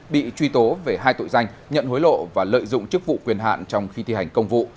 bị truy tố về hai tội danh nhận hối lộ và lợi dụng chức vụ quyền hạn trong khi thi hành công vụ